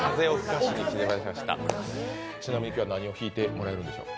ちなみに今日は何を弾いてもらえるんでしょう？